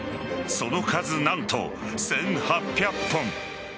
その数、何と１８００本。